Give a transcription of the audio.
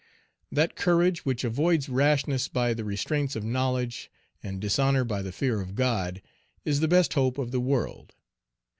That courage which avoids rashness by the restraints of knowledge, and dishonor by the fear of God, is the best hope of the world.